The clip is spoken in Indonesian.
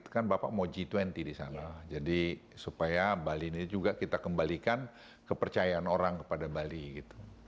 ya bali di sana jadi supaya bali ini juga kita kembalikan kepercayaan orang kepada bali gitu